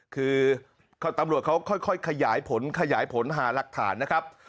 คือตำรวจเขาค่อยขยายผลขยายผลหาหลักฐานนะครับ